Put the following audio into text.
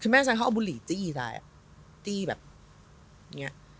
คือแม่ใส่เค้าเอาบุหรี่จี้ซายอ่ะจี้แบบอย่างเงี้ย